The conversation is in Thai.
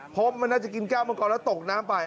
เพราะมันน่าจะกินแก้วมังกรแล้วตกน้ำไป